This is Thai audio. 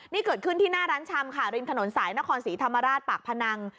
นี่เกิดขึ้นที่หน้าร้านชำค่ะริมถนนสายนครศรีธรรมราชปากพนัง